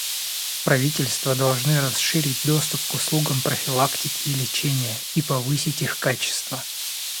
Правительства должны расширить доступ к услугам профилактики и лечения и повысить их качество.